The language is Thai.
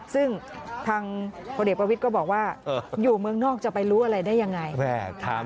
ซึ่งทางพลเอกประวิทย์ก็บอกว่าอยู่เมืองนอกจะไปรู้อะไรได้ยังไง